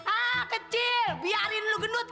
ah kecil biarin lo gendut